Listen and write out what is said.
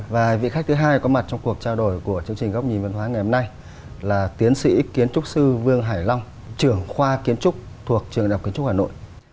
và vị khách thứ hai có mặt trong cuộc trao đổi của chương trình góc nhìn văn hóa ngày hôm nay là tiến sĩ kiến trúc sư vương hải long trưởng khoa kiến trúc thuộc trường đạp kiến trúc hà nội